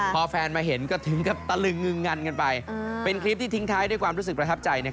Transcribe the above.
พอแฟนมาเห็นก็ถึงกับตะลึงงึงงันกันไปเป็นคลิปที่ทิ้งท้ายด้วยความรู้สึกประทับใจ